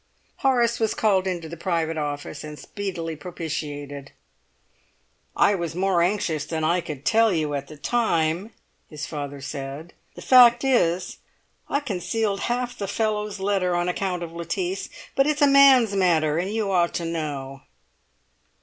Horace was called into the private office and speedily propitiated. "I was more anxious than I could tell you at the time," his father said; "the fact is, I concealed half the fellow's letter on account of Lettice. But it's a man's matter, and you ought to know."